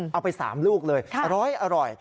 เอาไป๓ลูกเลยอร้อย